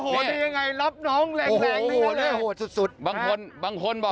โหดยังไงรับน้องแหล่งนึงอะไร